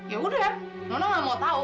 yaudah nona gak mau tau